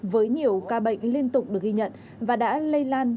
với nhiều ca bệnh liên tục được ghi nhận và đã lây lan